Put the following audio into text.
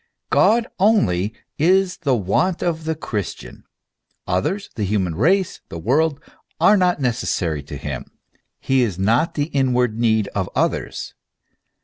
God only is the want of the Christian ; others, the human race, the world, are not necessary to him; he has not the inward need of others.